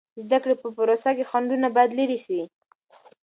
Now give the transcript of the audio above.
د زده کړې په پروسه کې خنډونه باید لیرې سي.